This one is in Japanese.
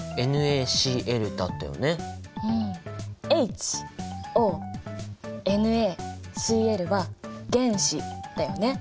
ＨＯＮａＣｌは原子だよね。